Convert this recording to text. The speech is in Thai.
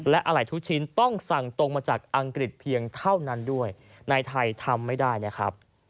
และอะไรทุกชิ้นต้องสั่งตรงมาจากอังกฤษเพียงเท่านั้นด้วยในไทยทำไม่ได้นะครับ